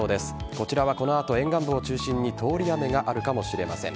こちらは、この後沿岸部を中心に通り雨があるかもしれません。